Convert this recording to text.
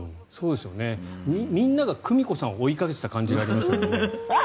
みんなが久美子さんを追いかけていた感じがありますけど。